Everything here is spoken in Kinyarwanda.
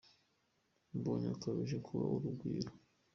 Mbonye akabije kuba urugwiro